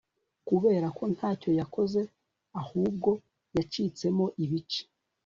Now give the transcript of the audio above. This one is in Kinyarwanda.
Kuberako ntacyo yakoze ahubwo yacitsemo ibice